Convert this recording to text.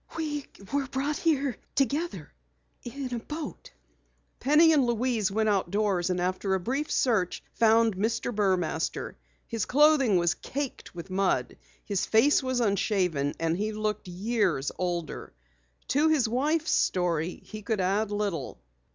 "We were brought here together in a boat." Penny and Louise went outdoors and after a brief search found Mr. Burmaster. His clothing was caked with mud, his face was unshaven and he looked years older. To his wife's story he could add little.